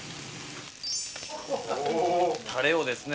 タレをですね